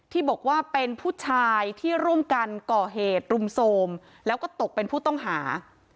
ที่บอกว่าเป็นผู้ชายที่ร่วมกันก่อเหตุรุมโทรมแล้วก็ตกเป็นผู้ต้องหา